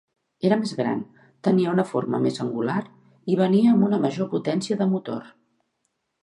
Era més gran, tenia una forma més angular, i venia amb una major potència de motor.